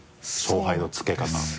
勝敗の付け方を。